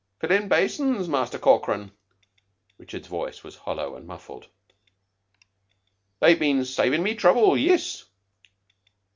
"Fillin' basins, Muster Corkran." Richards's voice was hollow and muffled. "They've been savin' me trouble. Yiss."